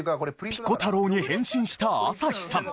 ピコ太郎に変身した朝日さん。